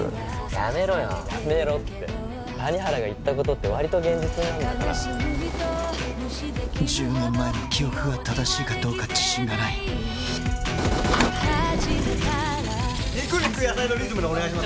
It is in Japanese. やめろって谷原が言ったことって割と現実になるんだから１０年前の記憶が正しいかどうか自信がない肉肉野菜のリズムでお願いします